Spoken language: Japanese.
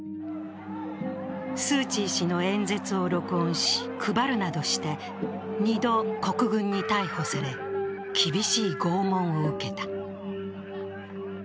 スー・チー氏の演説を録音し、配るなどして２度、国軍に逮捕され、厳しい拷問を受けた。